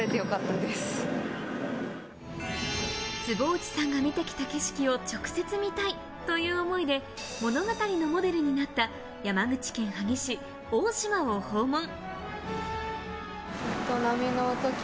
坪内さんが見てきた景色を直接見たいという思いで物語のモデルになった山口県萩市大島を訪問。